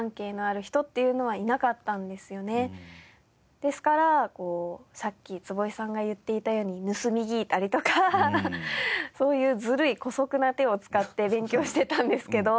ですからさっき坪井さんが言っていたように盗み聞いたりとかそういうずるい姑息な手を使って勉強してたんですけど。